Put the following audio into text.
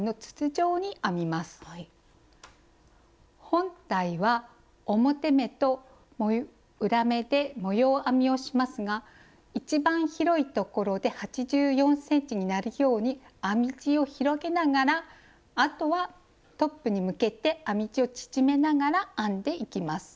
本体は表目と裏目で模様編みをしますが一番広いところで８４ｃｍになるように編み地を広げながらあとはトップに向けて編み地を縮めながら編んでいきます。